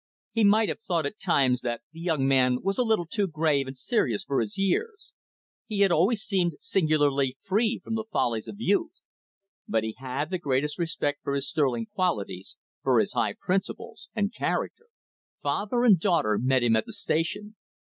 He might have thought at times that the young man was a little too grave and serious for his years, he had always seemed singularly free from the follies of youth. But he had the greatest respect for his sterling qualities, for his high principles and character. Father and daughter met him at the station.